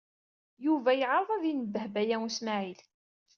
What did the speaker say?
Yuba yeɛreḍ ad inebbeh Baya U Smaɛil.